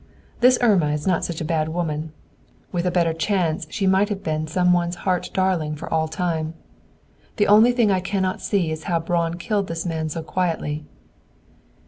"This Irma is not such a bad woman; with a better chance she might have been some one's heart darling for all time. The only thing I cannot see is how Braun killed this man so quietly."